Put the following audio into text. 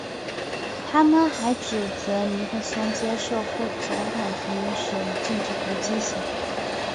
他们还指责尼克松接受副总统提名属于政治投机行为。